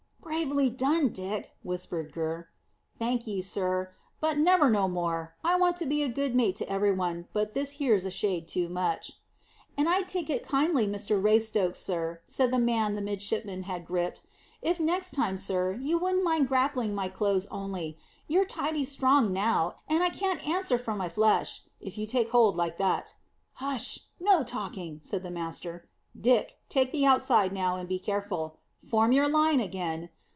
"Bravely done, Dick," whispered Gurr. "Thank ye, sir. But, never no more. I want to be a good mate to everybody, but this here's a shade too much." "And I'd take it kindly, Master Raystoke, sir," said the man the midshipman had gripped, "if nex' time, sir, you wouldn't mind grappling my clothes only. You're tidy strong now, and I can't `answer for my flesh', if you take hold like that." "Hush! No talking," said the master. "Dick, take the outside now, and be careful. Form your line again.